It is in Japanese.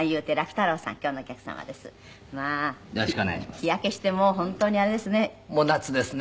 日焼けしてもう本当にあれですね。